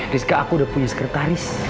rizka aku udah punya sekretaris